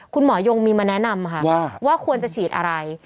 คุณหมอยงมีมาแนะนำค่ะว่าควรจะฉีดอะไร